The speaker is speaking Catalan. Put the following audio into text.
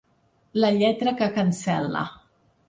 La lletra que cancel·la.